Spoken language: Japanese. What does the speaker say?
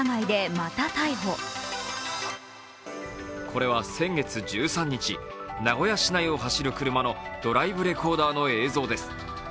これは先月１３日、名古屋市内を走る車のドライブレコーダーの映像です。